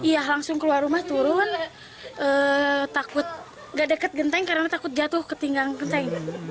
iya langsung keluar rumah turun takut nggak dekat genteng karena takut jatuh ketinggalan genteng